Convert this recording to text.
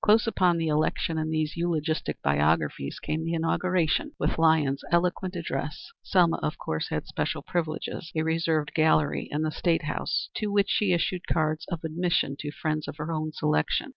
Close upon the election and these eulogistic biographies came the inauguration, with Lyons's eloquent address. Selma, of course, had special privileges a reserved gallery in the State House, to which she issued cards of admission to friends of her own selection.